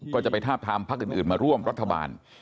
ก็จะไปทาบทามพักอื่นมาร่วมรัฐบาล